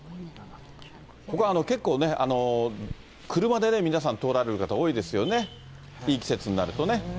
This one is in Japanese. ここ、結構、車でね、皆さん、通られる方、多いですよね、いい季節になるとね。